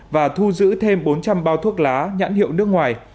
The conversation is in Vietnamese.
và thu giữ thêm bốn trăm linh bao thuốc lá nhãn hiệu nước ngoài